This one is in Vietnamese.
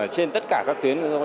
trên tất cả các tuyến đường